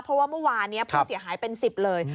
เพราะว่าเมื่อวานนี้ผู้เสียหายเป็น๑๐เลย